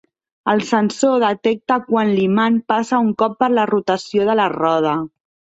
El sensor detecta quan l'imant passa un cop per la rotació de la roda.